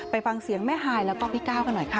ไปฟังเสียงแม่ฮายแล้วก็พี่ก้าวกันหน่อยค่ะ